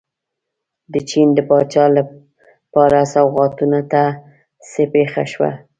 د چین د پاچا لپاره سوغاتونو ته څه پېښه شوه.